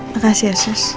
makasih ya sus